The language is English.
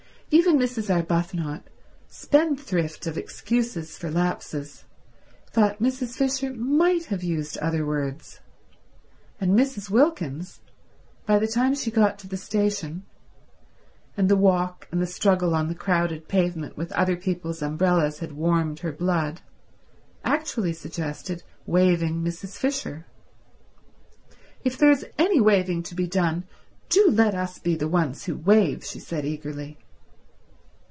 Even Mrs. Arbuthnot, spendthrift of excuses for lapses, thought Mrs. Fisher might have used other words; and Mrs. Wilkins, by the time she got to the station, and the walk and the struggle on the crowded pavement with other people's umbrellas had warmed her blood, actually suggested waiving Mrs. Fisher. "If there is any waiving to be done, do let us be the ones who waive," she said eagerly.